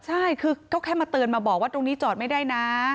ใช่คือก็แค่มาเตือนมาบอกว่าตรงนี้จอดไม่ได้นะ